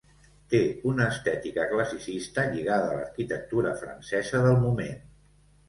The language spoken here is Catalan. Té una estètica classicista lligada a l'arquitectura francesa del moment.